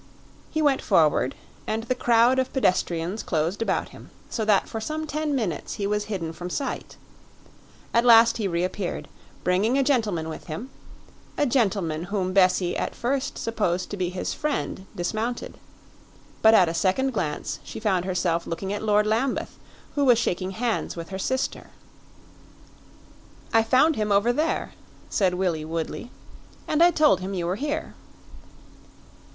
He went forward, and the crowd of pedestrians closed about him, so that for some ten minutes he was hidden from sight. At last he reappeared, bringing a gentleman with him a gentleman whom Bessie at first supposed to be his friend dismounted. But at a second glance she found herself looking at Lord Lambeth, who was shaking hands with her sister. "I found him over there," said Willie Woodley, "and I told him you were here."